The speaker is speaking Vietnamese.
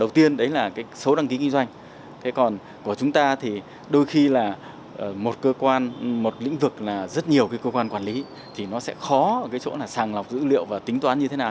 đầu tiên đấy là cái số đăng ký kinh doanh còn của chúng ta thì đôi khi là một cơ quan một lĩnh vực là rất nhiều cái cơ quan quản lý thì nó sẽ khó ở cái chỗ là sàng lọc dữ liệu và tính toán như thế nào